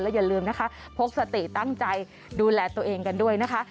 อย่าลืมนะคะพกสติตั้งใจดูแลตัวเองกันด้วยนะคะ